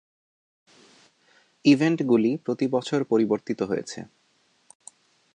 ইভেন্টগুলি প্রতি বছর পরিবর্তিত হয়েছে।